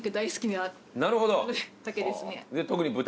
なるほど。